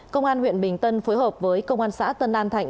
công an huyện bình tân phối hợp với công an xã tân an thạnh